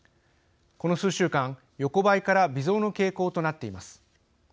この数週間横ばいから微増の傾向となっています。